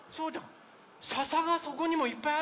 ささがそこにもいっぱいあったんだよ。